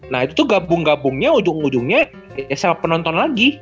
nah itu tuh gabung gabungnya ujung ujungnya ya sama penonton lagi